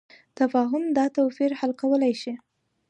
تفاهم دا توپیر حل کولی شي.